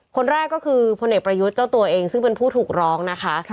คนแรกก็คือพลเอกประยุทธ์เจ้าตัวเองซึ่งเป็นผู้ถูกร้องนะคะ